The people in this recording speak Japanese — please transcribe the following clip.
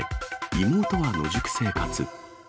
妹は野宿生活。